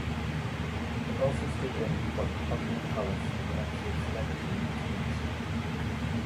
It also stood in for Buckingham Palace in the episode "Celebrity" of "Spooks".